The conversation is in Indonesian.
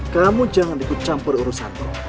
kamu jangan ikut campur urusanmu